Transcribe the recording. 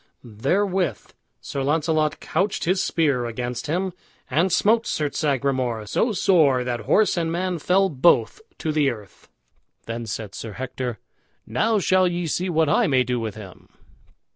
Therewith Sir Launcelot couched his spear against him, and smote Sir Sagramour so sore that horse and man fell both to the earth. Then said Sir Hector, "Now shall ye see what I may do with him."